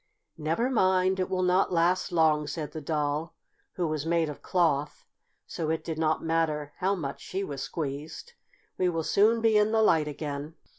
"Never mind! It will not last long," said the Doll, who was made of cloth, so it did not matter how much she was squeezed. "We will soon be in the light again."